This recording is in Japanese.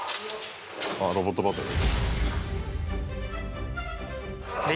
ああ、ロボットバトル。